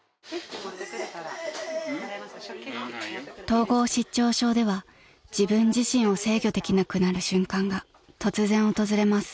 ［統合失調症では自分自身を制御できなくなる瞬間が突然訪れます］